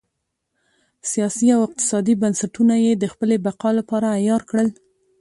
سیاسي او اقتصادي بنسټونه یې د خپلې بقا لپاره عیار کړل.